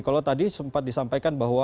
kalau tadi sempat disampaikan bahwa